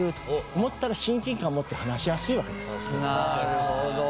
なるほど。